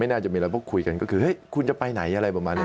น่าจะมีเราก็คุยกันก็คือเฮ้ยคุณจะไปไหนอะไรประมาณนี้